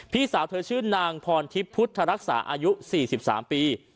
พี่สาวเธอชื่อนางพรทิพย์พุทธรักษาอายุ๔๓ปี